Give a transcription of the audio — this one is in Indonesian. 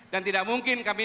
dan tidak mungkin kami